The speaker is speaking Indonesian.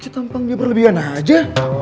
tampang dia berlebihan aja